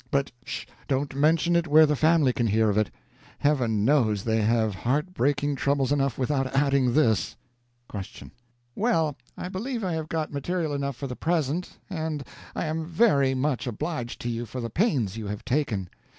But, 'sh! don't mention it where the family can hear of it. Heaven knows they have heartbreaking troubles enough without adding this. Q. Well, I believe I have got material enough for the present, and I am very much obliged to you for the pains you have taken.